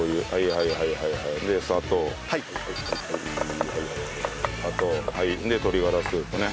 はいはいはいはい砂糖。で鶏がらスープね。